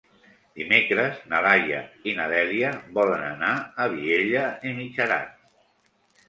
Dimecres na Laia i na Dèlia volen anar a Vielha e Mijaran.